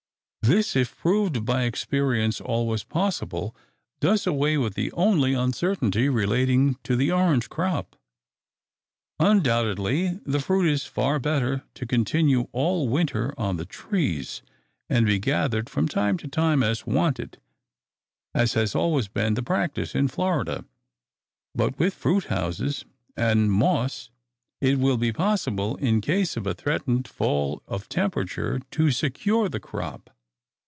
This, if proved by experience, always possible, does away with the only uncertainty relating to the orange crop. Undoubtedly the fruit is far better to continue all winter on the trees, and be gathered from time to time as wanted, as has always been the practice in Florida. But, with fruit houses and moss, it will be possible, in case of a threatened fall of temperature, to secure the crop.